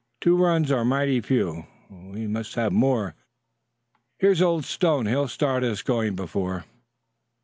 "Two runs are mighty few; we must have more. Here's Old Stone, who started us going before."